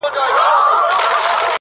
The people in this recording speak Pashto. وسلوال غله خو د زړه رانه وړلای نه سي”